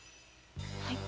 はい。